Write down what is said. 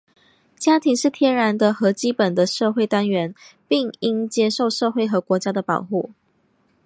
家庭是天然的和基本的社会单元,并应受社会和国家的保护。